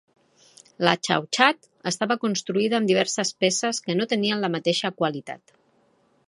La Chauchat estava construïda amb diverses peces que no tenien la mateixa qualitat.